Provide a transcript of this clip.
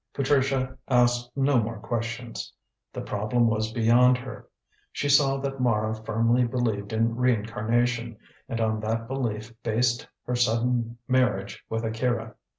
Patricia asked no more questions. The problem was beyond her. She saw that Mara firmly believed in reincarnation, and on that belief based her sudden marriage with Akira.